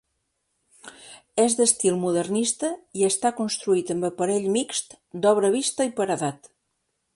És d'estil modernista i està construït amb aparell mixt d'obra vista i paredat.